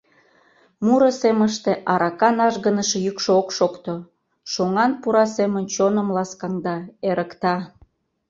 Муро семыште аракан ажгыныше йӱкшӧ ок шокто, шоҥан пура семын чоным ласкаҥда, эрыкта.